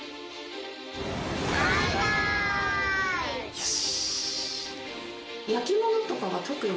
よし！